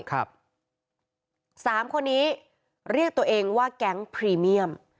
สามคนนี้เรียกตัวเองว่าแก๊งพรีเมียม